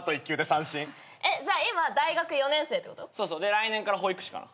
来年から保育士かな。